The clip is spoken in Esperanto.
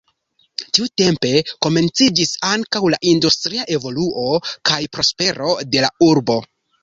Tiutempe komenciĝis ankaŭ la industria evoluo kaj prospero de la urbo.